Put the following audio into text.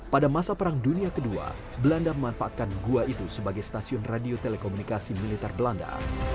pada masa perang dunia ii belanda memanfaatkan gua itu sebagai stasiun radio telekomunikasi militer belanda